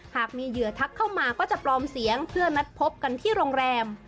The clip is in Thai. หากมีเหยื่อทักเข้ามาก็จะปลอมเสียงเพื่อนัดพบกันที่โรงแรม